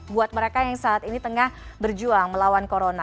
buat mereka yang saat ini tengah berjuang melawan corona